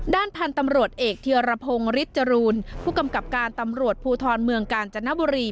ด้านพันธุ์ตำรวจเอกเทียรพงศ์ฤทธรูนผู้กำกับการตำรวจภูทรเมืองกาญจนบุรี